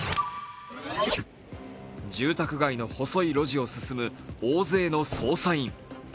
住宅街の細い路地を進む大勢の捜査員。